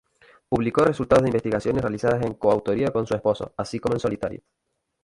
Publicó resultados de investigaciones realizadas en coautoría con su esposo, así como en solitario.